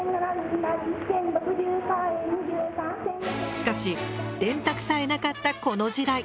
しかし電卓さえなかったこの時代。